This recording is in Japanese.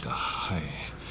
はい。